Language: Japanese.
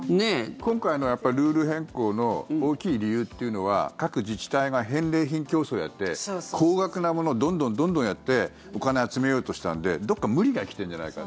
今回のルール変更の大きい理由というのは各自治体が返礼品競争をやって高額なものをどんどん、どんどんやってお金を集めようとしたのでどこか無理が来てるんじゃないか。